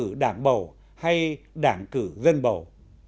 vậy là đảng cử đảng bầu hay đảng cử dân bầu